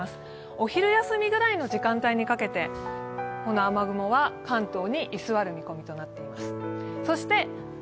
お昼休みぐらいの時間帯にかけて、この雨雲は関東に居座る見込みとなっています。